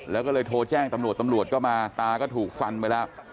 แล้วก็เลยโทรแจ้งตำรวจตำรวจก็มาตาก็ถูกฟันไปแล้ว